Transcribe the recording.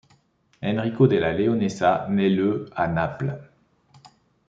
Enrico della Leonessa naît le à Naples.